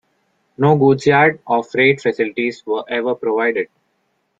No goods yard or freight facilities were ever provided.